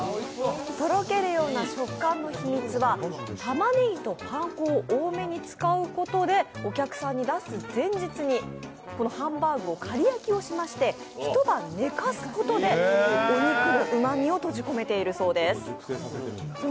とろけるような食感の秘密はたまねぎとパン粉を多めに使うことでお客さんに出す前日にハンバーグを仮焼きして一晩寝かせることでお肉のうまみを閉じ込めているそうです。